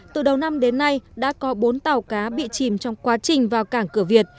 từ đầu năm đến nay đã có bốn tàu cá bị chìm trong quá trình vào cảng cửa việt